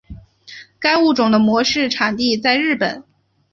该物种的模式产地在日本。